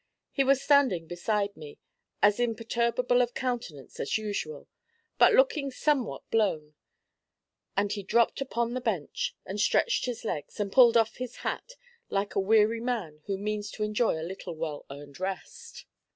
He was standing beside me, as imperturbable of countenance as usual, but looking somewhat blown; and he dropped upon the bench, and stretched his legs, and pulled off his hat, like a weary man who means to enjoy a little well earned rest.